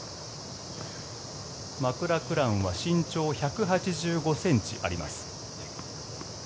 マクラクランは身長１８５ｃｍあります。